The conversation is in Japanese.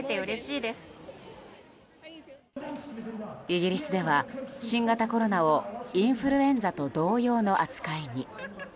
イギリスでは新型コロナをインフルエンザと同様の扱いに。